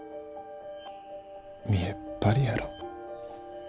見えっ張りやろ。